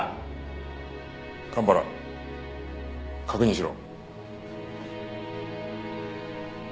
蒲原確認しろ。